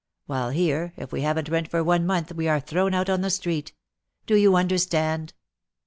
While here, if we haven't rent for one month we are thrown out on the street. Do you understand